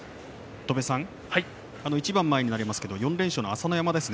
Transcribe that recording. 一番前になりますが４連勝の朝乃山です。